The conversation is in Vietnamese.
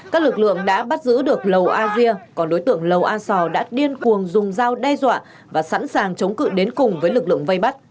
các lực lượng đã bắt giữ được lầu asia còn đối tượng lầu assaw đã điên cuồng dùng dao đe dọa và sẵn sàng chống cự đến cùng với lực lượng vây bắt